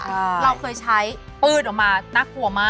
เราเคยใช้ปืดออกมาน่ากลัวมาก